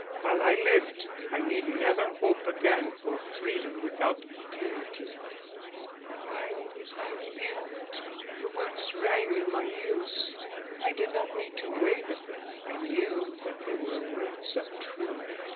While I lived I need never hope again for freedom without penalty. "'While I lived'; the words rang in my ears. I did not need to weigh them; I knew that they were words of truth.